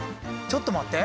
ちょっと待って！